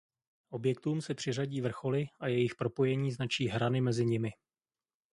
Objektům se přiřadí vrcholy a jejich propojení značí hrany mezi nimi.